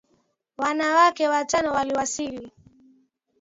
Wanawake watano waliwasili.